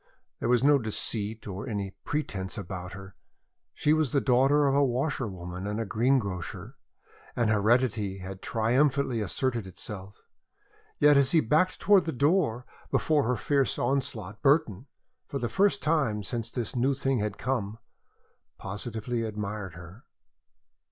There was no deceit nor any pretence about her. She was the daughter of a washerwoman and a greengrocer, and heredity had triumphantly asserted itself. Yet as he backed towards the door before her fierce onslaught, Burton, for the first time since this new thing had come, positively admired her.